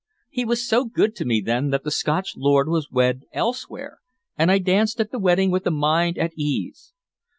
He was so good to me then that the Scotch lord was wed elsewhere, and I danced at the wedding with a mind at ease.